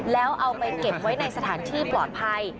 แล้วเอาไปเก็บไว้ในสถานที่ปลอดภัย